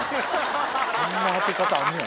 そんな当て方あんねやな。